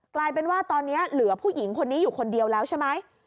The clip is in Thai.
กลายเป็นว่าตอนนี้เหลือผู้หญิงคนนี้อยู่คนเดียวแล้วใช่ไหม